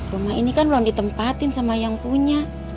rumah ini kan belum ditempatin sama yang punya